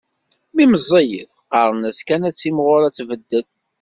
Mi meẓẓiyet, qqaren-as kan ad timɣur ad tbeddel